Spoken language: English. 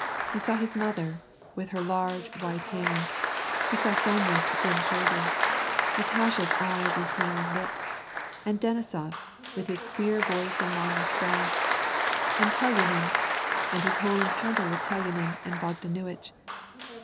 He saw his mother, with her laige, white hand ; he saw Sonya's thin shoulders, Natasha's eyes and smiling hps, and Denisof, with his queer voice and long mustache, and Telyanin, and his whole encounter with Telyanin and Bogdan uitch.